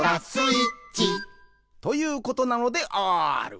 ということなのであーる。」